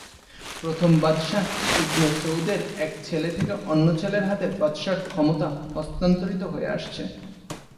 প্রথম বাদশাহ ইবনে সৌদের এক ছেলে থেকে অন্য ছেলের হাতে বাদশাহর ক্ষমতা হস্তান্তরিত হয়ে আসছে।